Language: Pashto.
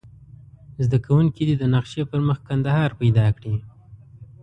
زده کوونکي دې د نقشې پر مخ کندهار پیدا کړي.